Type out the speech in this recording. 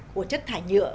của chất thải nhựa